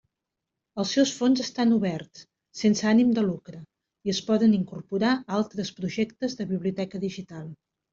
Els seus fons estan oberts, sense ànim de lucre, i es poden incorporar a altres projectes de biblioteca digital.